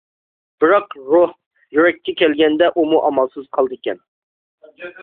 بىراق، روھ، يۈرەككە كەلگەندە ئۇمۇ ئامالسىز قالىدىكەن.